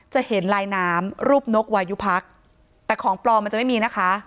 จะเห็นลายน้ำรูปนกวายุพักแต่ของปลอมมันจะไม่มีนะคะ